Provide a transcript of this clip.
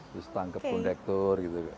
terus tangkep pundektur gitu